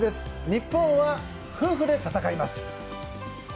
日本は夫婦で戦います。